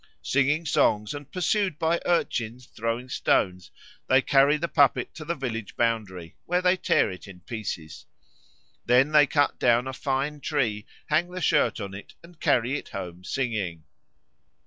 Singing songs and pursued by urchins throwing stones, they carry the puppet to the village boundary, where they tear it in pieces. Then they cut down a fine tree, hang the shirt on it, and carry it home singing.